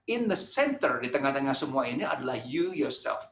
in the center di tengah tengah semua ini adalah you yourself